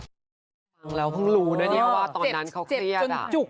เจ็บจนจุก